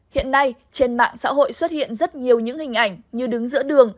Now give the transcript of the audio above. hiện nay trên mạng xã hội xuất hiện rất nhiều những hình ảnh như đứng giữa đường